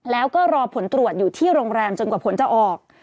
แล้วก็รอผลตรวจอยู่ที่โรงแรมจนกว่าผลจะออก